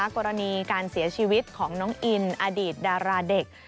กรณีการเสียชีวิตของน้องอินอดีตดาราเด็ก